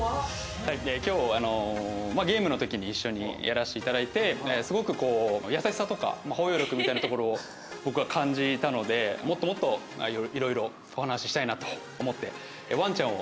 今日ゲームの時に一緒にやらせていただいてすごくこう優しさとか包容力みたいなところを僕は感じたのでもっともっといろいろお話ししたいなと思って。